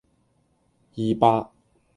二百